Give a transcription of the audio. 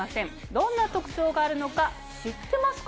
どんな特徴があるのか知ってますか？